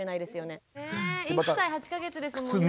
ね１歳８か月ですもんね。